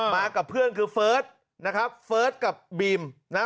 มากับเพื่อนคือเฟิร์สนะครับเฟิร์สกับบีมนะฮะ